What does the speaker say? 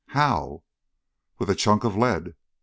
"How?" "With a chunk of lead!